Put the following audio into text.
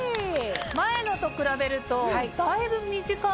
前のと比べるとだいぶ短い。